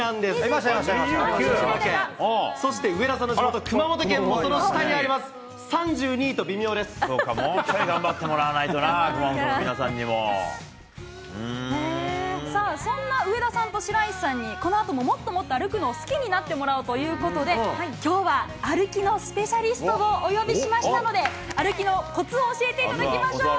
もうちょっと頑張ってもらわさあ、そんな上田さんと白石さんに、このあとももっともっと歩くのを好きになってもらおうということで、きょうは歩きのスペシャリストをお呼びしましたので、歩きのコツを教えていただきましょう。